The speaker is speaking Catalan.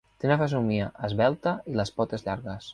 Té una fesomia esvelta i les potes llargues.